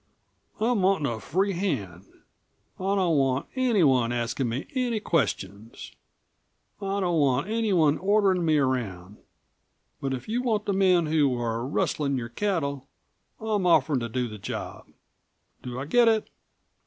I'm wantin' a free hand. I don't want anyone askin' me any questions. I don't want anyone orderin' me around. But if you want the men who are rustlin' your cattle, I'm offerin' to do the job. Do I get it?"